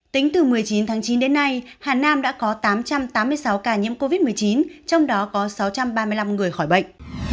tính từ một mươi chín tháng chín đến nay hà nam đã có tám trăm tám mươi sáu ca nhiễm covid một mươi chín trong đó có sáu trăm ba mươi năm người khỏi bệnh